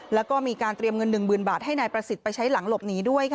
แล้วก็มีการเตรียมเงิน๑๐๐๐บาทให้นายประสิทธิ์ไปใช้หลังหลบหนีด้วย